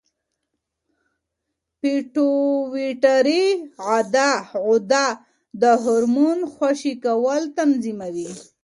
پېټویټري غده د هورمون خوشې کول تنظیموي.